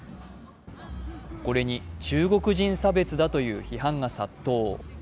これに中国人差別だという批判が殺到。